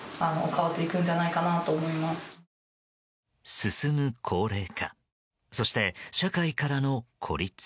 進む高齢化そして社会からの孤立。